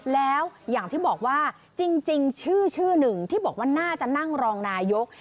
แล้วอย่างที่บอกว่าจริงชื่อหนึ่งที่บอกว่าน่าจะนั่งรองนายก